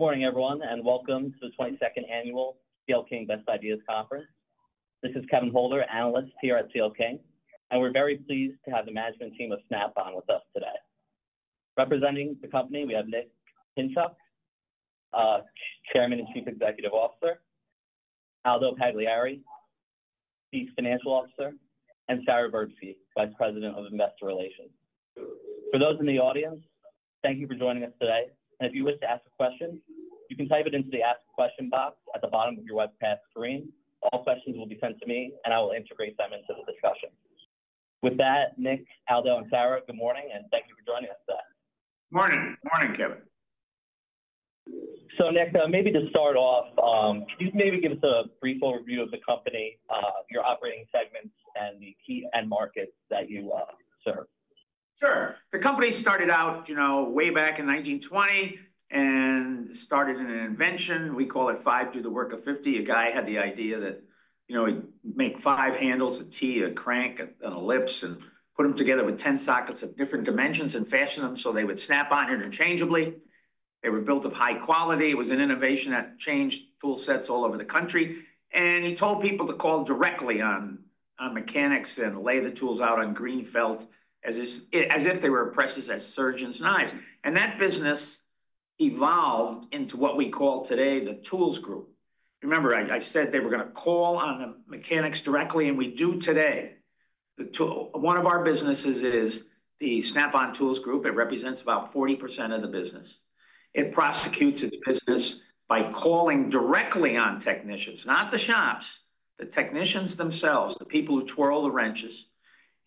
Good morning, everyone, and welcome to the twenty-second Annual CL King Best Ideas Conference. This is Kevin Holder, analyst here at CL King, and we're very pleased to have the management team of Snap-on with us today. Representing the company, we have Nick Pinchuk, Chairman and Chief Executive Officer, Aldo Pagliari, Chief Financial Officer, and Sara Verbskyy, Vice President of Investor Relations. For those in the audience, thank you for joining us today, and if you wish to ask a question, you can type it into the Ask a Question box at the bottom of your webcast screen. All questions will be sent to me, and I will integrate them into the discussion. With that, Nick, Aldo, and Sarah, good morning, and thank you for joining us today. Morning. Morning, Kevin. So, Nick, maybe to start off, can you maybe give us a brief overview of the company, your operating segments, and the key end markets that you serve? Sure. The company started out, you know, way back in 1920 and started in an invention. We call it five do the work of 50. A guy had the idea that, you know, he'd make five handles, a T, a crank, an ellipse, and put them together with ten sockets of different dimensions and fashion them so they would snap on interchangeably. They were built of high quality. It was an innovation that changed tool sets all over the country, and he told people to call directly on mechanics and lay the tools out on green felt as if they were precious as surgeons' knives, and that business evolved into what we call today, the Tools Group. Remember, I said they were gonna call on the mechanics directly, and we do today. One of our businesses is the Snap-on Tools Group. It represents about 40% of the business. It pursues its business by calling directly on technicians, not the shops, the technicians themselves, the people who twirl the wrenches,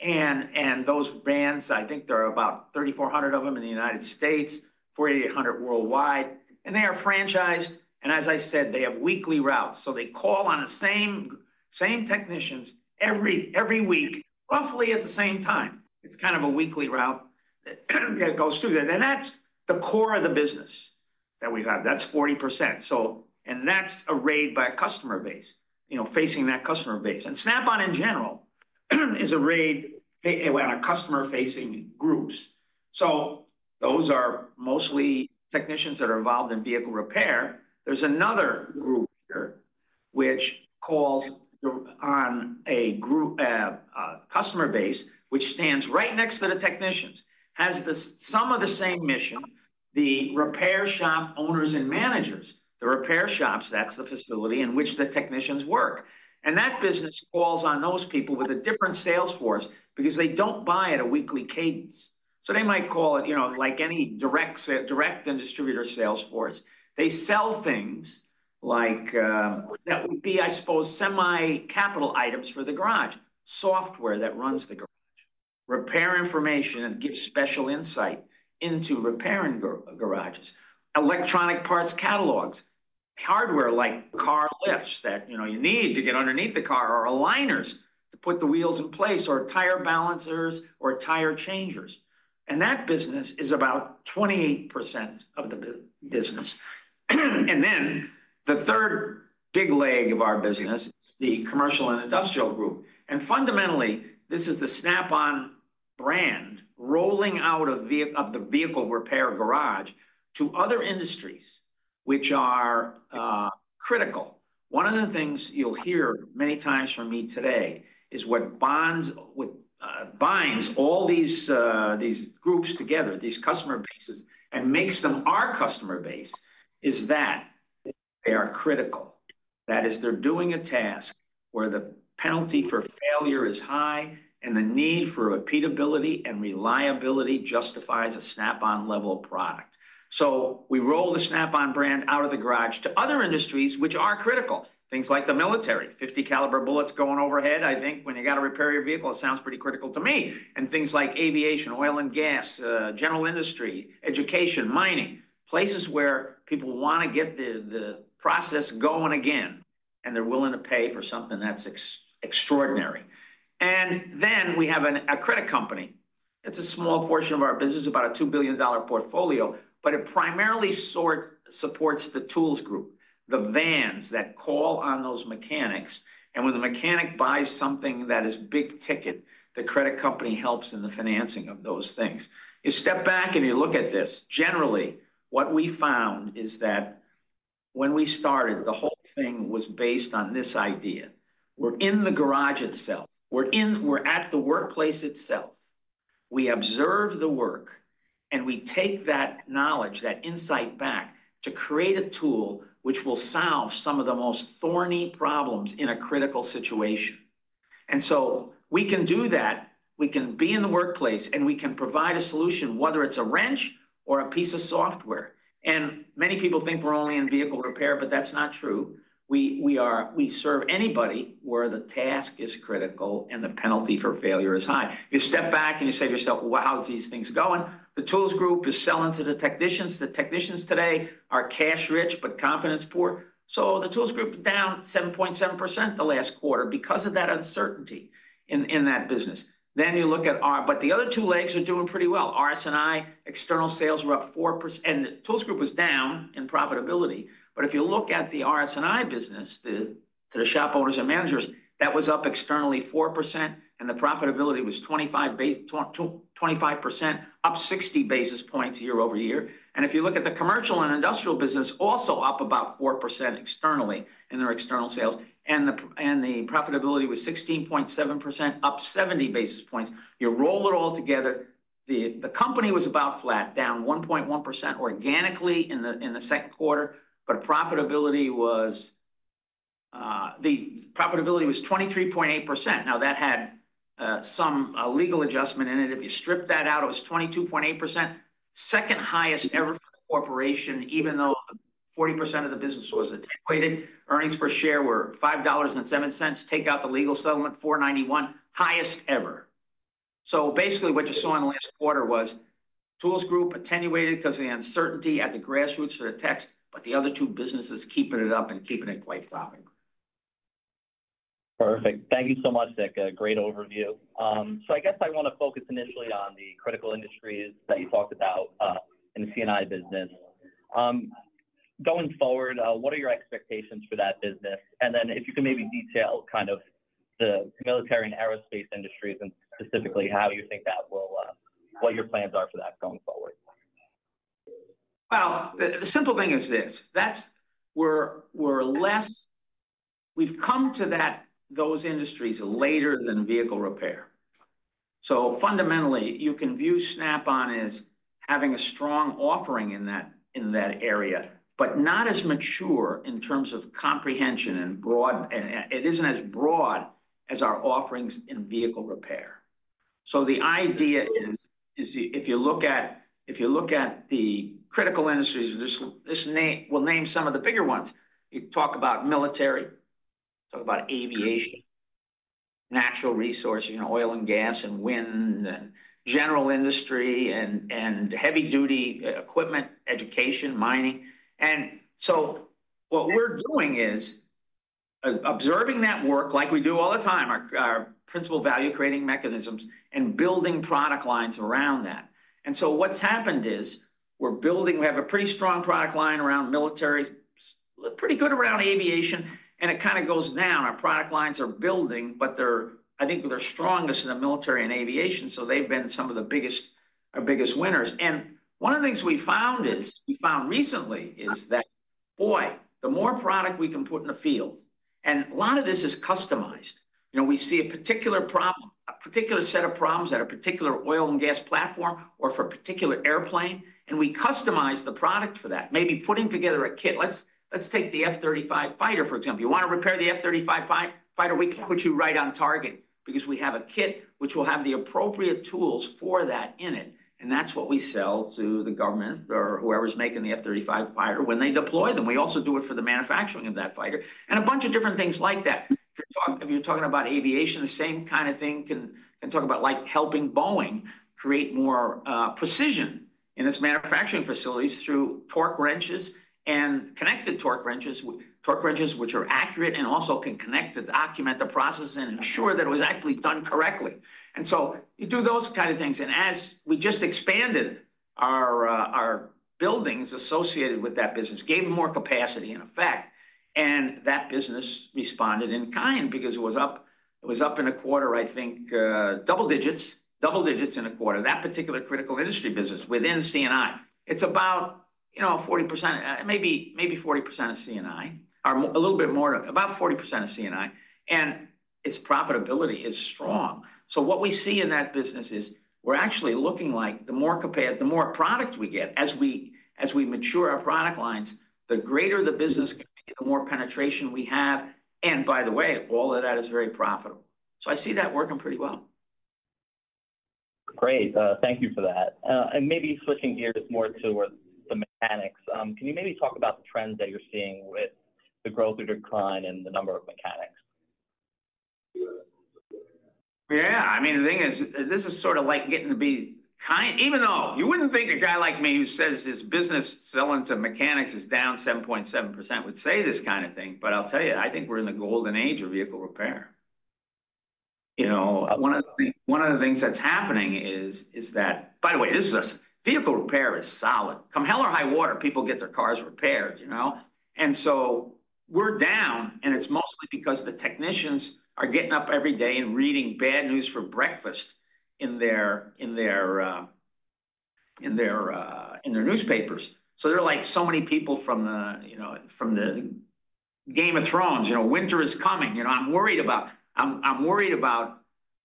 and those vans, I think there are about 3,400 of them in the United States, 4,800 worldwide, and they are franchised, and as I said, they have weekly routes, so they call on the same technicians every week, roughly at the same time. It's kind of a weekly route that goes through them, and that's the core of the business that we have. That's 40%, so and that's arrayed by a customer base, you know, facing that customer base, and Snap-on, in general, is arrayed on customer-facing groups, so those are mostly technicians that are involved in vehicle repair. There's another group here, which calls on a group, a customer base, which stands right next to the technicians, has some of the same mission, the repair shop owners and managers. The repair shops, that's the facility in which the technicians work. And that business calls on those people with a different sales force because they don't buy at a weekly cadence. So they might call it, you know, like any direct and distributor sales force. They sell things like that would be, I suppose, semi-capital items for the garage. Software that runs the garage, repair information, and gets special insight into repair and garages, electronic parts, catalogs, hardware, like car lifts that, you know, you need to get underneath the car, or aligners to put the wheels in place, or tire balancers or tire changers. And that business is about 28% of the business. And then the third big leg of our business, the Commercial and Industrial Group. And fundamentally, this is the Snap-on brand, rolling out of the vehicle repair garage to other industries, which are critical. One of the things you'll hear many times from me today is what binds all these groups together, these customer bases, and makes them our customer base, is that they are critical. That is, they're doing a task where the penalty for failure is high, and the need for repeatability and reliability justifies a Snap-on level product. So we roll the Snap-on brand out of the garage to other industries, which are critical. Things like the military, 50-caliber bullets going overhead. I think when you got to repair your vehicle, it sounds pretty critical to me, and things like aviation, oil and gas, general industry, education, mining, places where people want to get the process going again, and they're willing to pay for something that's extraordinary. And then we have a credit company. It's a small portion of our business, about a $2 billion portfolio, but it primarily supports the tools group, the vans that call on those mechanics, and when the mechanic buys something that is big-ticket, the credit company helps in the financing of those things. You step back, and you look at this. Generally, what we found is that when we started, the whole thing was based on this idea. We're in the garage itself. We're at the workplace itself. We observe the work, and we take that knowledge, that insight back, to create a tool which will solve some of the most thorny problems in a critical situation, and so we can do that. We can be in the workplace, and we can provide a solution, whether it's a wrench or a piece of software. Many people think we're only in vehicle repair, but that's not true. We are. We serve anybody where the task is critical and the penalty for failure is high. You step back, and you say to yourself, "Wow, these things are going." The tools group is selling to the technicians. The technicians today are cash-rich, but confidence poor, so the tools group down 7.7% the last quarter because of that uncertainty in that business, then you look at our, but the other two legs are doing pretty well. RS&I external sales were up 4%, and the tools group was down in profitability. But if you look at the RS&I business to the shop owners and managers, that was up externally 4%, and the profitability was 25 base, twenty-five percent, up 60 basis points year over year. And if you look at the commercial and industrial business, also up about 4% externally in their external sales, and the profitability was 16.7%, up 70 basis points. You roll it all together, the company was about flat, down 1.1% organically in the second quarter, but the profitability was 23.8%. Now, that had some a legal adjustment in it. If you strip that out, it was 22.8%, second highest ever for the corporation, even though 40% of the business was attenuated. Earnings per share were $5.07. Take out the legal settlement, $4.91, highest ever. So basically, what you saw in the last quarter was Tools Group attenuated because of the uncertainty at the grassroots for the tax, but the other two businesses keeping it up and keeping it quite flowing. Perfect. Thank you so much, Nick. A great overview, so I guess I wanna focus initially on the critical industries that you talked about in the CNI business. Going forward, what are your expectations for that business? And then if you can maybe detail kind of the military and aerospace industries, and specifically how you think that will, what your plans are for that going forward. The simple thing is this: that we're less. We've come to those industries later than vehicle repair. So fundamentally, you can view Snap-on as having a strong offering in that area, but not as mature in terms of comprehension and broad. It isn't as broad as our offerings in vehicle repair. So the idea is if you look at the critical industries. We'll name some of the bigger ones. You talk about military, talk about aviation, natural resource, you know, oil and gas, and wind, and general industry, and heavy-duty equipment, education, mining. And so what we're doing is observing that work like we do all the time, our principal value-creating mechanisms, and building product lines around that. What's happened is we're building. We have a pretty strong product line around military, look pretty good around aviation, and it kinda goes down. Our product lines are building, but they're, I think, they're strongest in the military and aviation, so they've been some of the biggest, our biggest winners. One of the things we found recently is that, boy, the more product we can put in the field, and a lot of this is customized. You know, we see a particular problem, a particular set of problems at a particular oil and gas platform or for a particular airplane, and we customize the product for that, maybe putting together a kit. Let's take the F-35 fighter, for example. You wanna repair the F-35 fighter? We can put you right on target because we have a kit which will have the appropriate tools for that in it, and that's what we sell to the government or whoever's making the F-35 fighter when they deploy them. We also do it for the manufacturing of that fighter and a bunch of different things like that. If you're talking about aviation, the same kind of thing can talk about, like helping Boeing create more precision in its manufacturing facilities through torque wrenches and connected torque wrenches, torque wrenches, which are accurate and also can connect to document the process and ensure that it was actually done correctly. And so you do those kind of things, and as we just expanded our buildings associated with that business, gave them more capacity, in effect, and that business responded in kind because it was up in a quarter, I think, double digits in a quarter. That particular critical industry business within CNI, it's about, you know, 40%, maybe 40% of CNI, or a little bit more, about 40% of CNI, and its profitability is strong. So what we see in that business is we're actually looking like the more product we get as we mature our product lines, the greater the business can be, the more penetration we have, and by the way, all of that is very profitable. So I see that working pretty well. Great. Thank you for that. And maybe switching gears more to where the mechanics, can you maybe talk about the trends that you're seeing with the growth or decline in the number of mechanics? Yeah, I mean, the thing is, this is sort of like getting to be kind of even though you wouldn't think a guy like me who says his business selling to mechanics is down 7.7% would say this kind of thing, but I'll tell you, I think we're in the golden age of vehicle repair. You know, one of the things that's happening is that. By the way, this is just vehicle repair is solid. Come hell or high water, people get their cars repaired, you know? And so we're down, and it's mostly because the technicians are getting up every day and reading bad news for breakfast in their newspapers. So they're like so many people from the, you know, from the Game of Thrones, "You know, winter is coming. You know, I'm worried about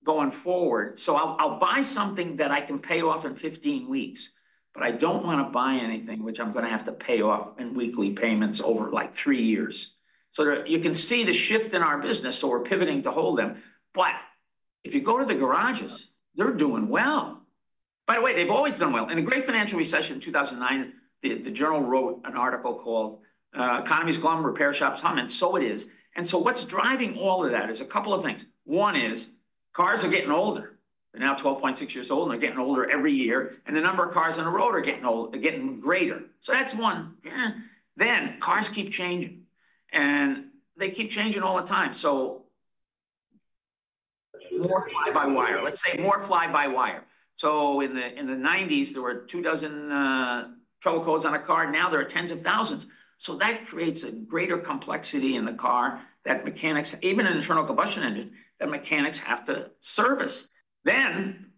going forward. So I'll buy something that I can pay off in fifteen weeks, but I don't wanna buy anything which I'm gonna have to pay off in weekly payments over, like, three years. So there, you can see the shift in our business, so we're pivoting to hold them. But if you go to the garages, they're doing well. By the way, they've always done well. In the great financial recession in two thousand and nine, the journal wrote an article called Economies Glum, Repair Shops Humming, and so it is. And so what's driving all of that is a couple of things. One is, cars are getting older. They're now 12.6 years old, and they're getting older every year, and the number of cars on the road are getting greater. That's one. Cars keep changing, and they keep changing all the time. More fly-by-wire. Let's say more fly-by-wire. In the 1990s, there were two dozen trouble codes on a car. Now, there are tens of thousands. That creates a greater complexity in the car that mechanics, even an internal combustion engine, have to service.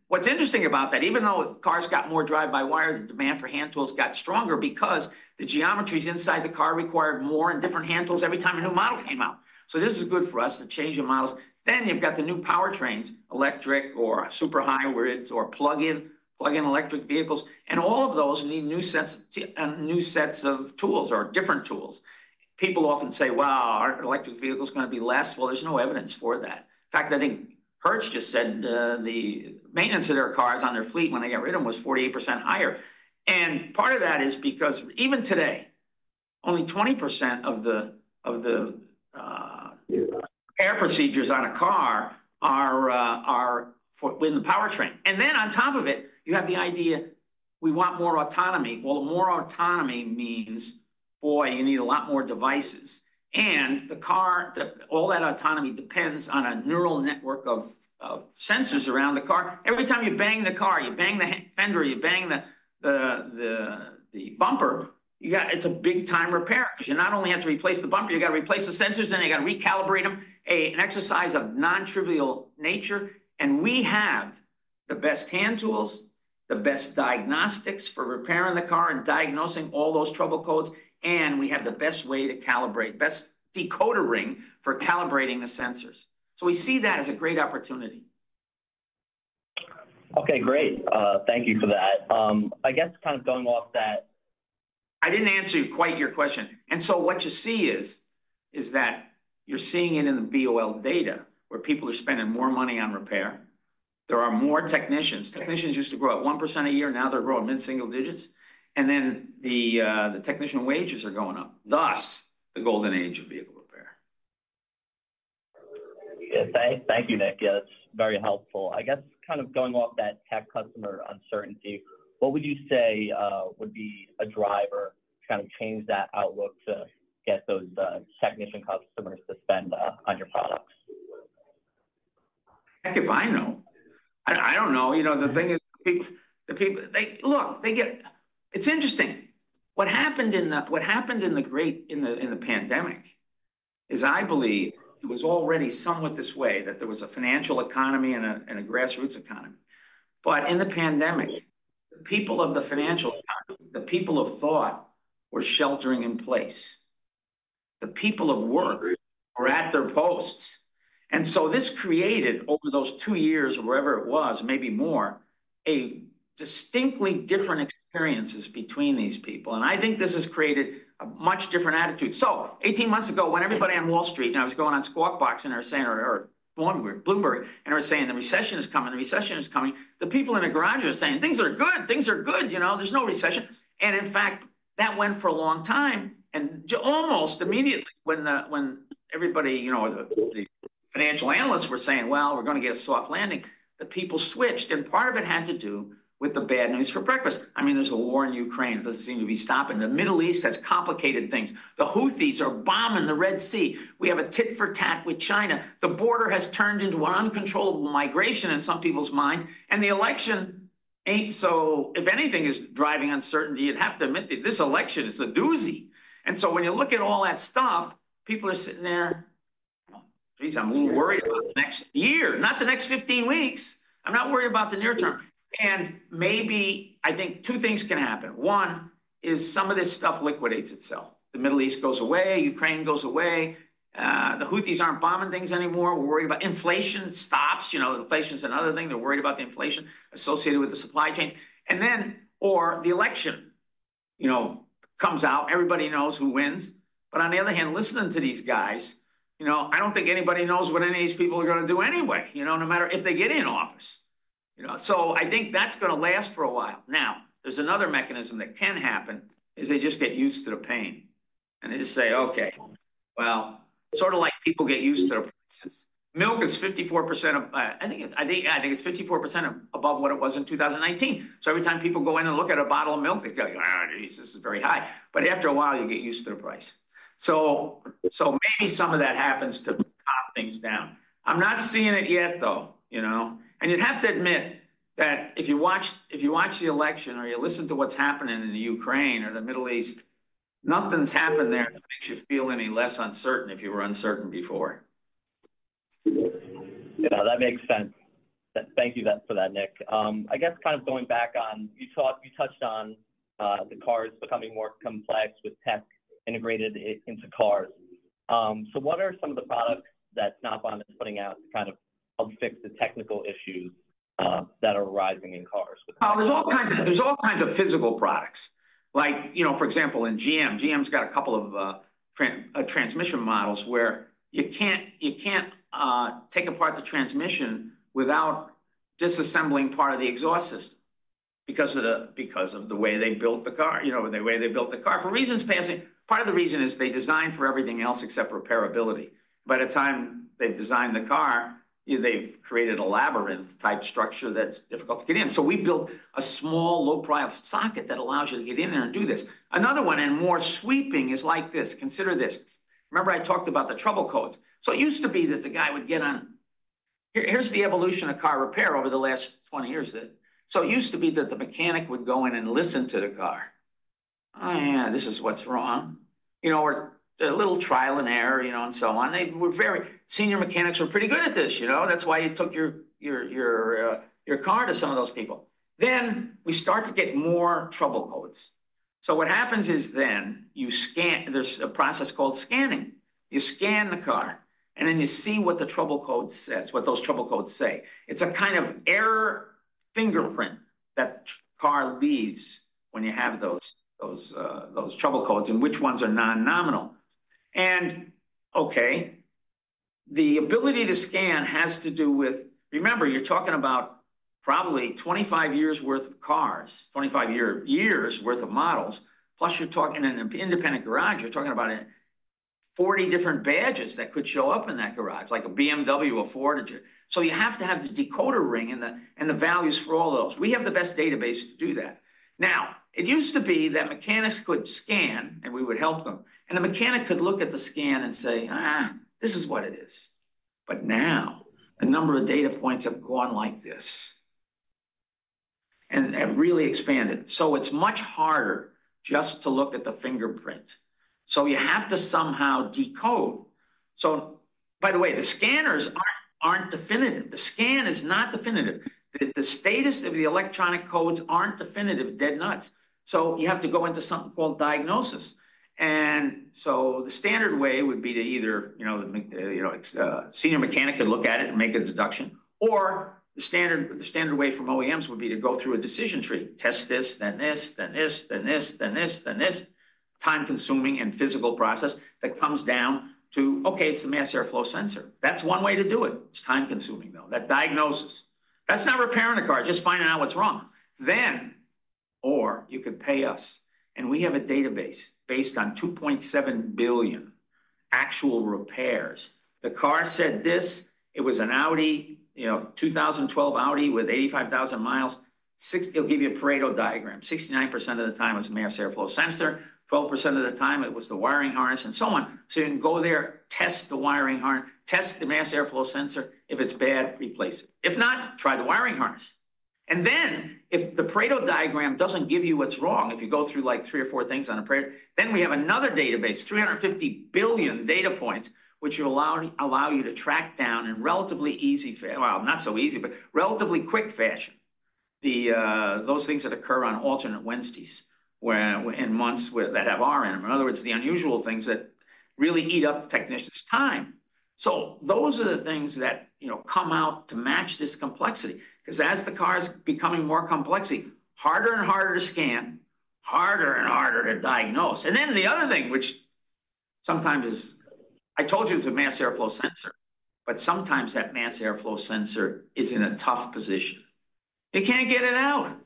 What's interesting about that, even though cars got more drive-by-wire, the demand for hand tools got stronger because the geometries inside the car required more and different hand tools every time a new model came out. This is good for us, the change in models. You've got the new powertrains, electric or super hybrids or plug-in electric vehicles, and all of those need new sets of tools or different tools. People often say, "Well, aren't electric vehicles gonna be less?" There's no evidence for that. In fact, I think Hertz just said the maintenance of their cars on their fleet when they got rid of them was 48% higher. And part of that is because even today, only 20% of the repair procedures on a car are for the powertrain. And then, on top of it, you have the idea, we want more autonomy. More autonomy means, boy, you need a lot more devices, and the car, all that autonomy depends on a neural network of sensors around the car. Every time you bang the car, you bang the fender, you bang the bumper, you got. It's a big-time repair. Because you not only have to replace the bumper, you gotta replace the sensors, then you gotta recalibrate them. An exercise of non-trivial nature, and we have the best hand tools, the best diagnostics for repairing the car and diagnosing all those trouble codes, and we have the best way to calibrate, best decoder ring for calibrating the sensors. So we see that as a great opportunity. Okay, great. Thank you for that. I guess kind of going off that- I didn't answer quite your question. And so what you see is that you're seeing it in the BLS data, where people are spending more money on repair. There are more technicians. Technicians used to grow at 1% a year, now they're growing mid-single digits. And then the technician wages are going up, thus the golden age of vehicle repair. Yeah, thank you, Nick. Yeah, that's very helpful. I guess kind of going off that tech customer uncertainty, what would you say would be a driver to kind of change that outlook to get those technician customers to spend on your products? Heck if I know! I don't know. You know, the thing is, the people, they, look, they get. It's interesting. What happened in the great pandemic is I believe it was already somewhat this way, that there was a financial economy and a grassroots economy. But in the pandemic, the people of the financial economy, the people of thought, were sheltering in place. The people of work were at their posts. And so this created, over those two years or wherever it was, maybe more, a distinctly different experiences between these people, and I think this has created a much different attitude. 18 months ago, when everybody on Wall Street and I was going on Squawk Box and they were saying, or Bloomberg, and they were saying, "The recession is coming, the recession is coming," the people in the garage were saying, "Things are good. Things are good, you know, there's no recession." In fact, that went for a long time. Almost immediately, when everybody, you know, the financial analysts were saying, "Well, we're gonna get a soft landing," the people switched, and part of it had to do with the bad news for breakfast. I mean, there's a war in Ukraine. It doesn't seem to be stopping. The Middle East has complicated things. The Houthis are bombing the Red Sea. We have a tit-for-tat with China. The border has turned into an uncontrollable migration in some people's minds, and the election ain't so. If anything is driving uncertainty, you'd have to admit that this election is a doozy. And so when you look at all that stuff, people are sitting there, "Geez, I'm a little worried about the next year, not the next fifteen weeks. I'm not worried about the near term." And maybe, I think two things can happen. One is some of this stuff liquidates itself. The Middle East goes away, Ukraine goes away, the Houthis aren't bombing things anymore. We're worried about inflation stops. You know, inflation's another thing. They're worried about the inflation associated with the supply chains. And then, or the election, you know, comes out, everybody knows who wins. But on the other hand, listening to these guys, you know, I don't think anybody knows what any of these people are gonna do anyway, you know, no matter if they get in office, you know? So I think that's gonna last for a while. Now, there's another mechanism that can happen, is they just get used to the pain, and they just say, "Okay," well, sort of like people get used to their prices. Milk is 54% above what it was in 2019. So every time people go in and look at a bottle of milk, they go, "Geez, this is very high." But after a while, you get used to the price. So maybe some of that happens to calm things down. I'm not seeing it yet, though, you know? You'd have to admit that if you watch the election or you listen to what's happening in the Ukraine or the Middle East, nothing's happened there that makes you feel any less uncertain if you were uncertain before. Yeah, that makes sense. Thank you for that, Nick. I guess kind of going back on, you touched on the cars becoming more complex with tech integrated into cars. So what are some of the products that Snap-on is putting out to kind of help fix the technical issues that are arising in cars with? Oh, there's all kinds of physical products. Like, you know, for example, in GM, GM's got a couple of transmission models where you can't take apart the transmission without disassembling part of the exhaust system because of the way they built the car, you know, the way they built the car. For reasons passing-- Part of the reason is they design for everything else except repairability. By the time they've designed the car, they've created a labyrinth-type structure that's difficult to get in. So we built a small, low-profile socket that allows you to get in there and do this. Another one, and more sweeping, is like this. Consider this.... Remember I talked about the trouble codes? Here's the evolution of car repair over the last twenty years. So it used to be that the mechanic would go in and listen to the car. "Oh, yeah, this is what's wrong." You know, or a little trial and error, you know, and so on. Senior mechanics were pretty good at this, you know. That's why you took your car to some of those people. Then we start to get more trouble codes. So what happens is then you scan. There's a process called scanning. You scan the car, and then you see what the trouble code says, what those trouble codes say. It's a kind of error fingerprint that the car leaves when you have those trouble codes, and which ones are non-nominal. And, okay, the ability to scan has to do with. Remember, you're talking about probably 25 years' worth of cars, 25 years worth of models, plus you're talking in an independent garage, you're talking about forty different badges that could show up in that garage, like a BMW or Ford. So you have to have the decoder ring and the values for all those. We have the best database to do that. Now, it used to be that mechanics could scan, and we would help them, and the mechanic could look at the scan and say, "Ah, this is what it is." But now, the number of data points have gone like this, and really expanded. So it's much harder just to look at the fingerprint. So, by the way, the scanners aren't definitive. The scan is not definitive. The status of the electronic codes aren't definitive, dead nuts. So you have to go into something called diagnosis. And so the standard way would be to either, you know, senior mechanic could look at it and make a deduction, or the standard way from OEMs would be to go through a decision tree. Test this, then this, then this, then this, then this, then this. Time-consuming and physical process that comes down to, "Okay, it's the mass airflow sensor." That's one way to do it. It's time-consuming, though. That diagnosis. That's not repairing a car, just finding out what's wrong. Then, or you could pay us, and we have a database based on 2.7 billion actual repairs. The car said this, it was an Audi, you know, 2012 Audi with 85,000 miles. It'll give you a Pareto diagram. 69% of the time, it was a mass airflow sensor, 12% of the time it was the wiring harness, and so on. So you can go there, test the wiring harness, test the mass airflow sensor. If it's bad, replace it. If not, try the wiring harness. And then, if the Pareto diagram doesn't give you what's wrong, if you go through, like, three or four things on a Pareto, then we have another database, 350 billion data points, which will allow you to track down in relatively easy fashion, well, not so easy, but relatively quick fashion, those things that occur on alternate Wednesdays, in months with, that have R in them. In other words, the unusual things that really eat up the technician's time, so those are the things that, you know, come out to match this complexity, 'cause as the car is becoming more complexity, harder and harder to scan, harder and harder to diagnose, and then the other thing, which sometimes is... I told you it's a mass airflow sensor, but sometimes that mass airflow sensor is in a tough position. They can't get it out,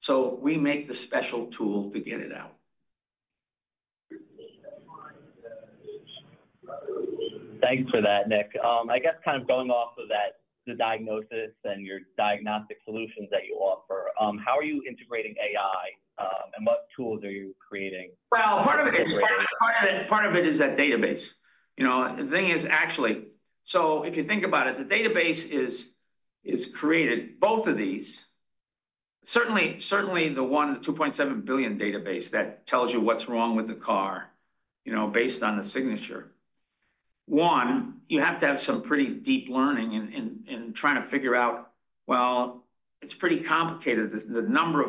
so we make the special tool to get it out. Thanks for that, Nick. I guess kind of going off of that, the diagnosis and your diagnostic solutions that you offer, how are you integrating AI, and what tools are you creating? Part of it is that database. You know, the thing is, actually, so if you think about it, the database is created, both of these, certainly the one, the two point seven billion database that tells you what's wrong with the car, you know, based on the signature. One, you have to have some pretty deep learning in trying to figure out, well, it's pretty complicated. The number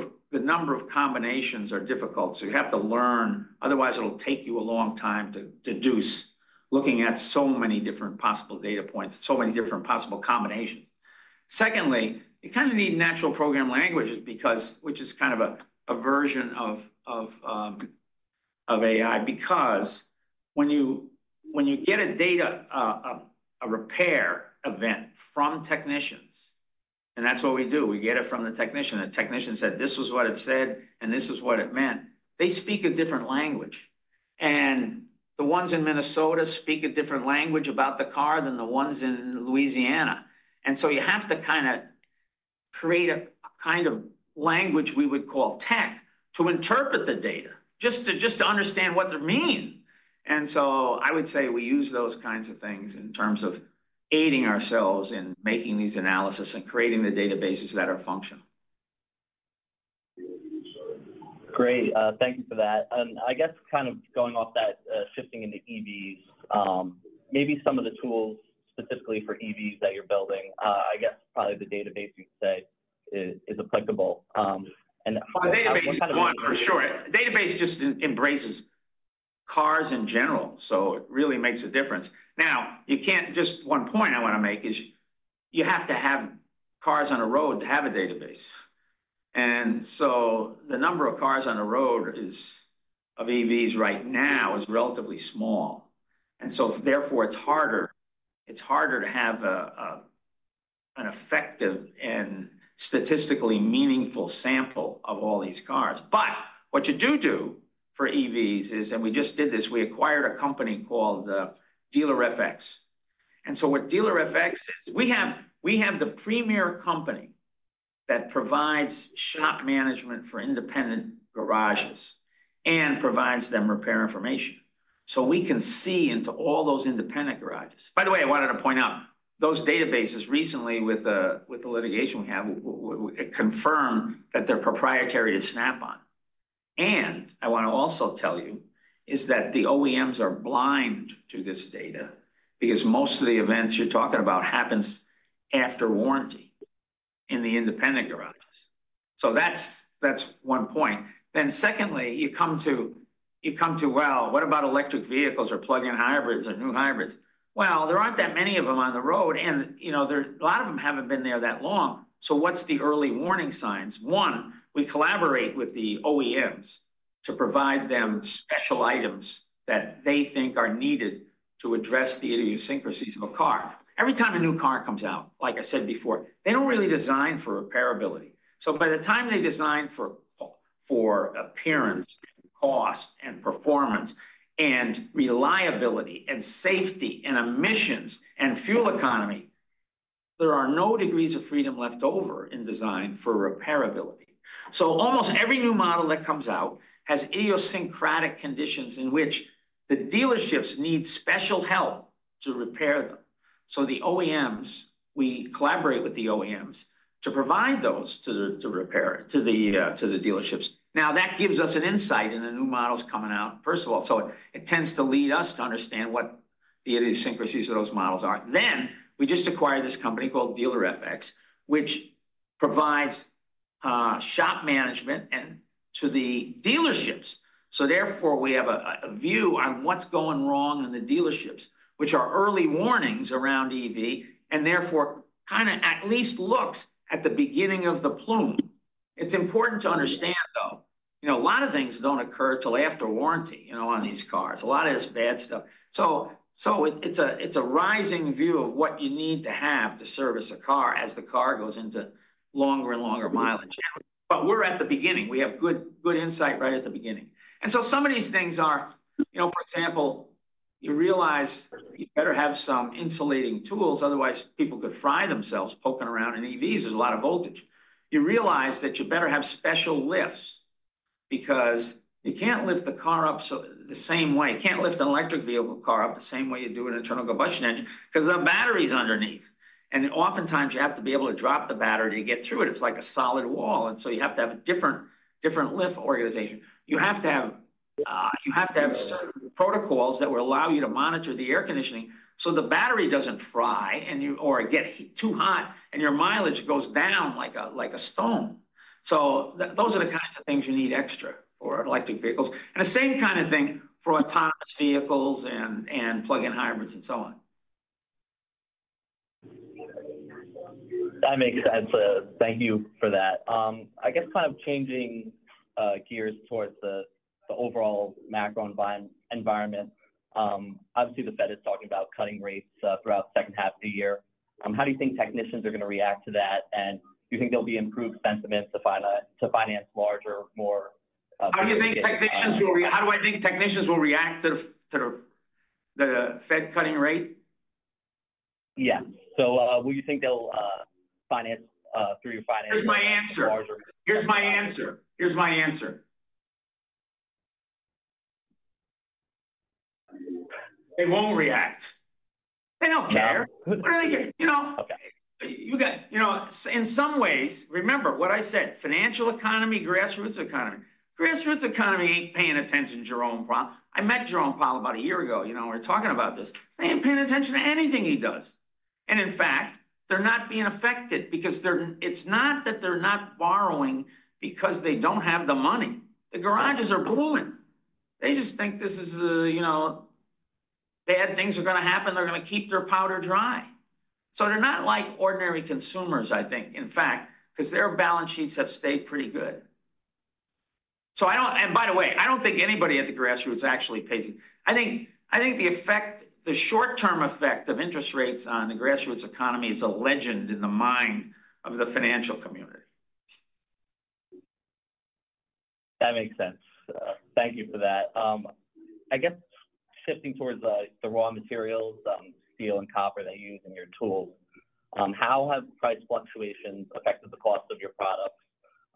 of combinations are difficult, so you have to learn, otherwise, it'll take you a long time to deduce, looking at so many different possible data points, so many different possible combinations. Secondly, you kind of need natural program languages because, which is kind of a version of AI, because when you get data, a repair event from technicians, and that's what we do, we get it from the technician. The technician said, "This was what it said, and this is what it meant." They speak a different language, and the ones in Minnesota speak a different language about the car than the ones in Louisiana. And so you have to kinda create a kind of language we would call tech to interpret the data, just to understand what they mean. And so I would say we use those kinds of things in terms of aiding ourselves in making these analysis and creating the databases that are functional. Great, thank you for that. And I guess kind of going off that, shifting into EVs, maybe some of the tools specifically for EVs that you're building, I guess probably the database you'd say is applicable. And- Database, one, for sure. Database just embraces cars in general, so it really makes a difference. Now, just one point I wanna make is you have to have cars on the road to have a database. And so the number of cars on the road, of EVs right now, is relatively small, and so therefore, it's harder to have a, an effective and statistically meaningful sample of all these cars. But what you do for EVs is, and we just did this, we acquired a company called Dealer-FX. And so what Dealer-FX is, we have the premier company that provides shop management for independent garages and provides them repair information. So we can see into all those independent garages. By the way, I wanted to point out, those databases recently with the litigation we have, it confirmed that they're proprietary to Snap-on. And I want to also tell you is that the OEMs are blind to this data, because most of the events you're talking about happens after warranty in the independent garages. So that's one point. Then secondly, you come to: Well, what about electric vehicles or plug-in hybrids or new hybrids? Well, there aren't that many of them on the road, and, you know, a lot of them haven't been there that long. So what's the early warning signs? One, we collaborate with the OEMs to provide them special items that they think are needed to address the idiosyncrasies of a car. Every time a new car comes out, like I said before, they don't really design for repairability. So by the time they design for appearance and cost and performance and reliability and safety and emissions and fuel economy, there are no degrees of freedom left over in design for repairability. So almost every new model that comes out has idiosyncratic conditions in which the dealerships need special help to repair them. So the OEMs, we collaborate with the OEMs, to provide those to the dealerships. Now, that gives us an insight into new models coming out, first of all. So it tends to lead us to understand what the idiosyncrasies of those models are. Then, we just acquired this company called DealerFX, which provides shop management and to the dealerships. So therefore, we have a view on what's going wrong in the dealerships, which are early warnings around EV, and therefore, kinda at least looks at the beginning of the plume. It's important to understand, though, you know, a lot of things don't occur till after warranty, you know, on these cars, a lot of this bad stuff. So it's a rising view of what you need to have to service a car as the car goes into longer and longer mileage. But we're at the beginning. We have good insight right at the beginning. And so some of these things are, you know, for example, you realize you better have some insulating tools, otherwise, people could fry themselves poking around in EVs. There's a lot of voltage. You realize that you better have special lifts because you can't lift the car up so the same way. You can't lift an electric vehicle car up the same way you do an internal combustion engine because the battery's underneath, and oftentimes you have to be able to drop the battery to get through it. It's like a solid wall, and so you have to have a different lift organization. You have to have certain protocols that will allow you to monitor the air conditioning, so the battery doesn't fry or get too hot, and your mileage goes down like a stone. So those are the kinds of things you need extra for electric vehicles, and the same kind of thing for autonomous vehicles and plug-in hybrids, and so on. That makes sense. Thank you for that. I guess kind of changing gears towards the overall macro environment. Obviously, the Fed is talking about cutting rates throughout the second half of the year. How do you think technicians are going to react to that? And do you think there'll be improved sentiments to finance larger, more, How do I think technicians will react to the Fed cutting rate? Yeah. So, will you think they'll finance through your financial- Here's my answer. Larger- Here's my answer. Here's my answer. They won't react. They don't care. No? What do they care? You know- Okay. You know, in some ways, remember what I said, financial economy, grassroots economy. Grassroots economy ain't paying attention to Jerome Powell. I met Jerome Powell about a year ago, you know, we were talking about this. They ain't paying attention to anything he does. And in fact, they're not being affected because it's not that they're not borrowing because they don't have the money. The garages are booming. They just think this is a, you know, bad things are gonna happen, they're gonna keep their powder dry. So they're not like ordinary consumers, I think, in fact, 'cause their balance sheets have stayed pretty good. And by the way, I don't think anybody at the grassroots actually pays. I think the short-term effect of interest rates on the grassroots economy is a legend in the mind of the financial community. That makes sense. Thank you for that. I guess shifting towards the raw materials, steel and copper they use in your tools, how have price fluctuations affected the cost of your products?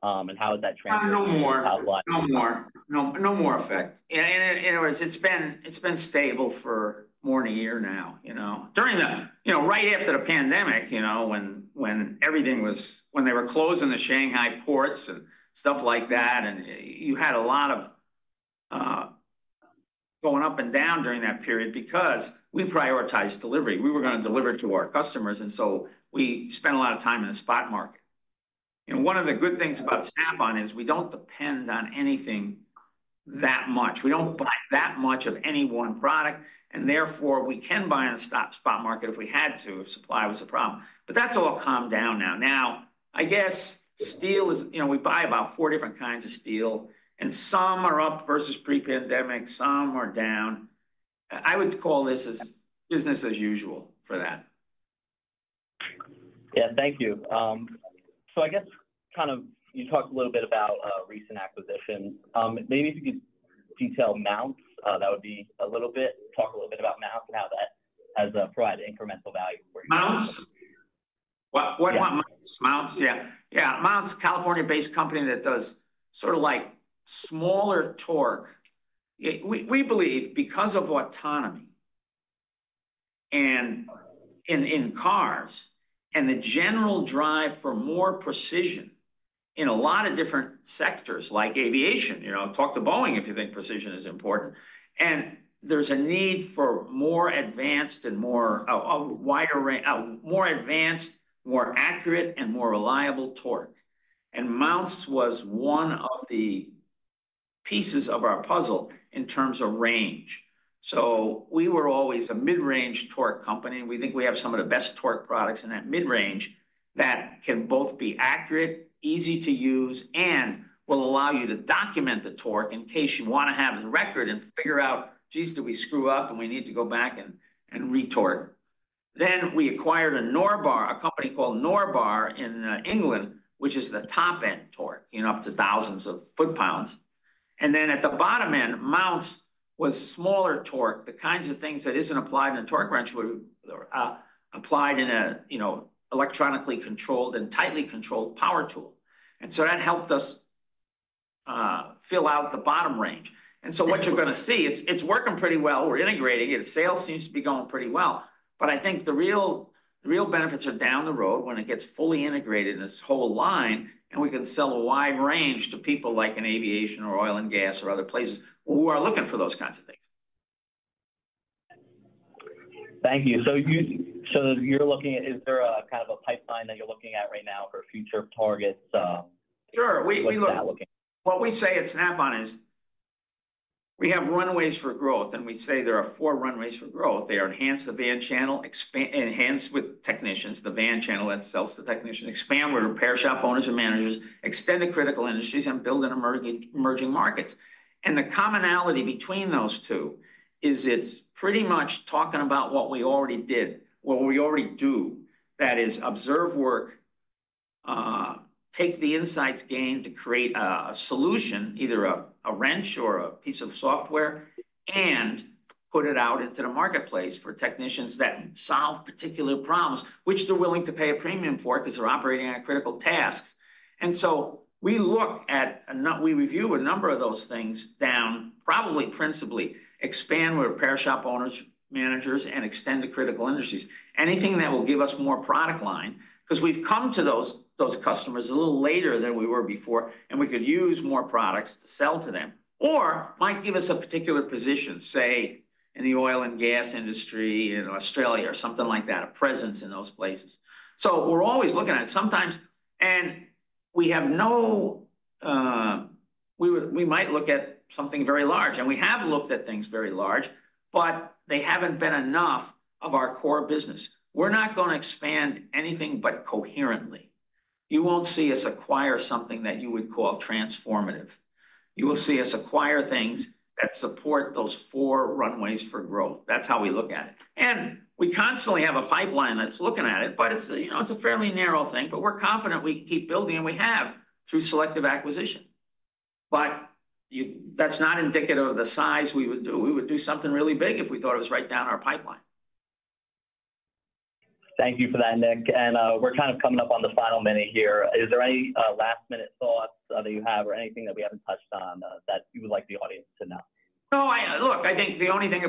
And how has that translated- No more.... how much? No more. No, no more effect. And it's been stable for more than a year now, you know. During the, you know, right after the pandemic, you know, when everything was—when they were closing the Shanghai ports and stuff like that, and you had a lot of going up and down during that period because we prioritized delivery. We were gonna deliver to our customers, and so we spent a lot of time in the spot market. And one of the good things about Snap-on is we don't depend on anything that much. We don't buy that much of any one product, and therefore, we can buy on a spot market if we had to, if supply was a problem. But that's all calmed down now. Now, I guess steel is... You know, we buy about four different kinds of steel, and some are up versus pre-pandemic, some are down. I would call this as business as usual for that. Yeah, thank you. So I guess kind of you talked a little bit about recent acquisitions. Maybe if you could detail Mountz, that would be a little bit. Talk a little bit about Mountz and how that has provided incremental value for you. Mountz? What Mountz- Yeah. Mountz, yeah. Yeah, Mountz, California-based company that does sort of like smaller torque. We believe because of autonomy and in cars, and the general drive for more precision in a lot of different sectors, like aviation. You know, talk to Boeing if you think precision is important. And there's a need for more advanced, more accurate, and more reliable torque. And Mountz was one of the pieces of our puzzle in terms of range. So we were always a mid-range torque company. We think we have some of the best torque products in that mid-range that can both be accurate, easy to use, and will allow you to document the torque in case you want to have the record and figure out, "Geez, did we screw up and we need to go back and re-torque?" Then we acquired a Norbar, a company called Norbar in England, which is the top-end torque, you know, up to thousands of foot-pounds. And then at the bottom end, Mountz was smaller torque, the kinds of things that isn't applied in a torque wrench would applied in a, you know, electronically controlled and tightly controlled power tool. And so that helped us fill out the bottom range. And so what you're gonna see, it's working pretty well. We're integrating it. Sales seems to be going pretty well. But I think the real benefits are down the road when it gets fully integrated in this whole line, and we can sell a wide range to people, like in aviation or oil and gas or other places, who are looking for those kinds of things. Thank you. Is there a kind of a pipeline that you're looking at right now for future targets? Sure, we look- What's that looking? What we say at Snap-on is we have runways for growth, and we say there are four runways for growth. They are enhance the van channel, enhance with technicians, the van channel that sells to technicians, expand with repair shop owners and managers, extend to critical industries, and build in emerging markets. And the commonality between those two is it's pretty much talking about what we already did, what we already do. That is observe work, take the insights gained to create a solution, either a wrench or a piece of software, and put it out into the marketplace for technicians that solve particular problems, which they're willing to pay a premium for, because they're operating on critical tasks. We look at and review a number of those things, probably principally to expand with repair shop owners, managers, and extend to critical industries, anything that will give us more product line. Because we've come to those customers a little later than we were before, and we could use more products to sell to them, or might give us a particular position, say, in the oil and gas industry in Australia or something like that, a presence in those places. We're always looking at it. Sometimes we might look at something very large, and we have looked at things very large, but they haven't been close enough to our core business. We're not gonna expand anything but coherently. You won't see us acquire something that you would call transformative. You will see us acquire things that support those four runways for growth. That's how we look at it, and we constantly have a pipeline that's looking at it, but it's, you know, it's a fairly narrow thing, but we're confident we can keep building, and we have, through selective acquisition, but that's not indicative of the size we would do. We would do something really big if we thought it was right down our pipeline. Thank you for that, Nick. And, we're kind of coming up on the final minute here. Is there any last-minute thoughts that you have or anything that we haven't touched on that you would like the audience to know? No, look, I think the only thing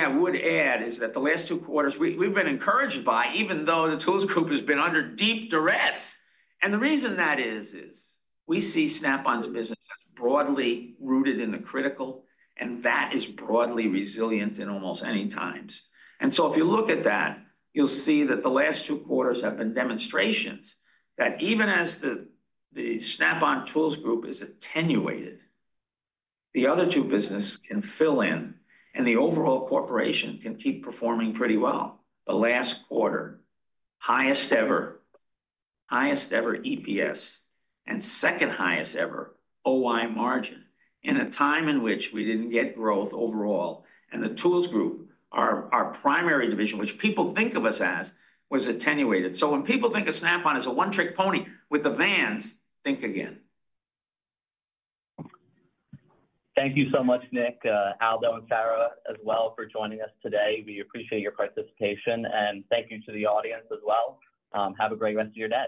I would add is that the last two quarters, we've been encouraged by, even though the tools group has been under deep duress, and the reason that is, is we see Snap-on's business as broadly rooted in the critical, and that is broadly resilient in almost any times, and so if you look at that, you'll see that the last two quarters have been demonstrations that even as the Snap-on Tools Group is attenuated, the other two business can fill in, and the overall corporation can keep performing pretty well. The last quarter, highest ever, highest ever EPS, and second highest ever OI margin, in a time in which we didn't get growth overall, and the tools group, our primary division, which people think of us as, was attenuated. When people think of Snap-on as a one-trick pony with the vans, think again. Thank you so much, Nick, Aldo, and Sarah, as well, for joining us today. We appreciate your participation, and thank you to the audience as well. Have a great rest of your day.